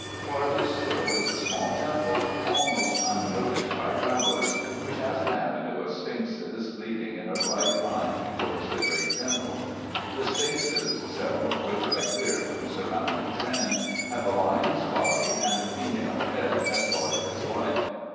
Farther still is a small temple, almost unnoticed by travellers, which has an avenue of sphinxes leading in a right line towards the great temple. The sphinxes, several of which I cleared from the surrounding sand, have a lion's body and female head as large as life.